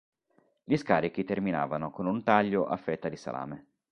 Gli scarichi terminavano con un taglio a fetta di salame.